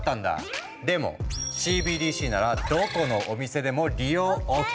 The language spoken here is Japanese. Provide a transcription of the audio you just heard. でもＣＢＤＣならどこのお店でも利用ＯＫ。